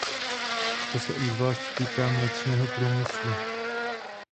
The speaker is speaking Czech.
To se obzvláště týká mléčného průmyslu.